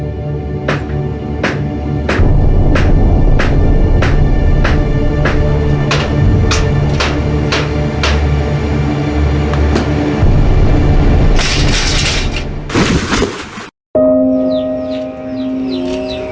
จบ